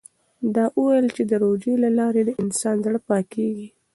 ده وویل چې د روژې له لارې د انسان زړه پاکېږي.